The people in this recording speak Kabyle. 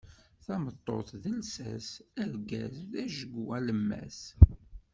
Tameṭṭut d lsas, argaz d ajgu alemmas.